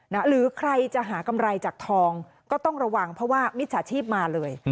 หรือใครจะหากำไรจากทองก็ต้องระวังเพราะว่ามิจฉาชีพมาเลย